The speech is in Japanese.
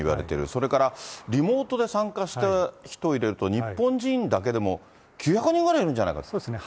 それからリモートで参加した人を入れると日本人だけでも９００人そうですね。